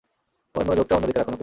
ওর মনোযোগটা অন্য দিকে রাখুন, ওকে?